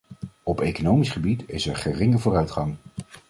Op economisch gebied is er geringe vooruitgang.